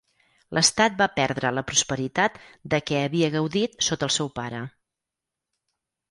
L'estat va perdre la prosperitat de què havia gaudit sota el seu pare.